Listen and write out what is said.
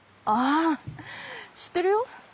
あ知ってるよ。